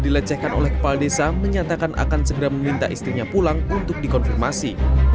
dilecehkan oleh kepala desa menyatakan akan segera meminta istrinya pulang untuk dikonfirmasi